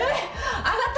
あなた